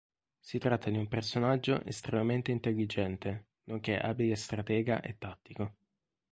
Si tratta di un personaggio estremamente intelligente, nonché abile stratega e tattico.